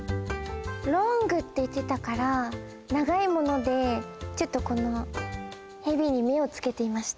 “ｌｏｎｇ”っていってたからながいものでちょっとこのヘビに目をつけていました。